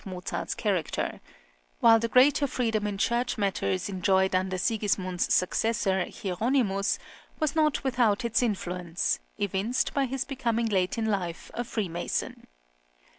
Mozart's character; while the greater freedom in church matters enjoyed under Sigis mund's successor, Hieronymus, was not without its influence, evinced by his becoming late in life a freemason.